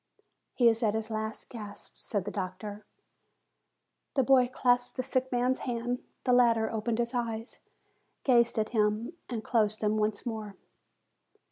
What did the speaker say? "He is at his last gasp," said the doctor. The boy clasped the sick man's hand. The latter opened his eyes, gazed at him, and closed them once more.